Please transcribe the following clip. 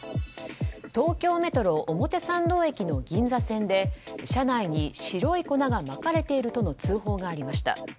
東京メトロ表参道駅の銀座線で車内に白い粉がまかれているとの通報がありました。